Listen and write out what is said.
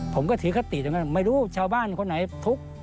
ผมก็ถือคติอย่างนั้นไม่รู้ชาวบ้านคนไหนทุกข์